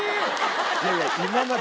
いやいや今まで。